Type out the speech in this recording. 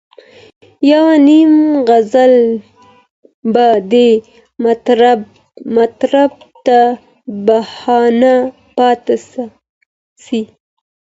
یو نیم غزل به دي مطرب ته بهانه پاته سي